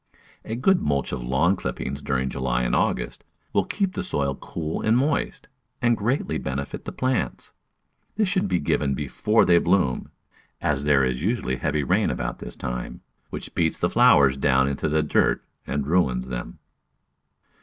A good mulch of lawn clippings during July and August will keep the soil cool and moist, and greatly benefit the plants. This should be given before they bloom, as there is usually heavy rain about that time, which beats the flowers down into the dirt and ruins them.